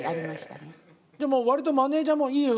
でも割とマネージャーもいいよ。